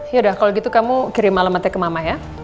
yaudah kalau gitu kamu kirim alamatnya ke mama ya